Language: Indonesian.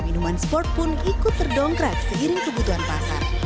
minuman sport pun ikut terdongkrak seiring kebutuhan pasar